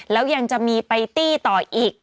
แล้วยังจะมีไปตี้ต่ออีก